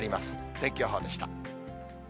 天気予報でした。